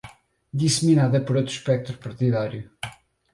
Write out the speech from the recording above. Disseminada por outro espectro partidário